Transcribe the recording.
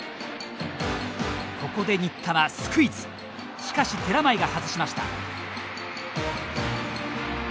ここで新田はスクイズしかし、寺前が外しました。